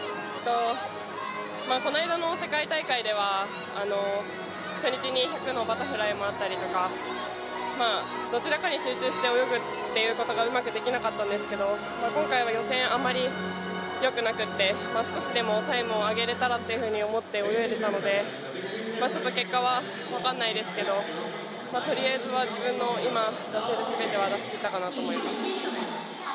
この間の世界大会では初日に１００のバタフライもあったりとか、どちらかに集中して泳ぐということがうまくできなかったんですけど今回は予選、あまりよくなくて、少しでもタイムを上げれたらと思って泳いでたので、結果は分かんないですけど、とりあえずは自分の今、出せる全ては出し切ったかなと思います。